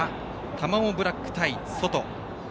タマモブラックタイ、外。